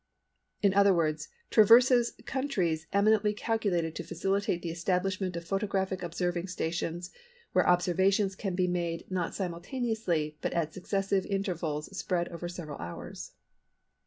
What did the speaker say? In other words, traverses countries eminently calculated to facilitate the establishment of photographic observing stations where observations can be made not simultaneously but at successive intervals spread over several hours.